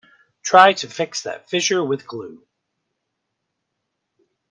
Try to fix that fissure with glue.